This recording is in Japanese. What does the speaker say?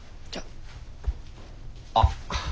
あっ！